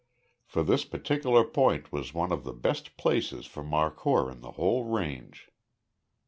For this particular point was one of the best places for markhor in the whole range.